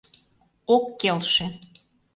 Ок келше.